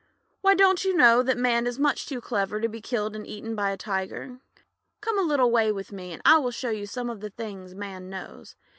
'Why, don't you know that Man is much too clever to be killed and eaten by a Tiger? Come a little way with me, and I will show you some of the things Man knows.